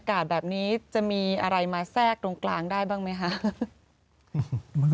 แต่วันนี้ก็มีข่าวลึกว่ามีผัญญาภายใน